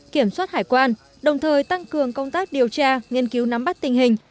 kiểm soát hải quan đồng thời tăng cường công tác điều tra nghiên cứu nắm bắt tình hình